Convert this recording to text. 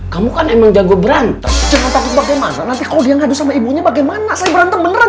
kamu kan emang jago berantem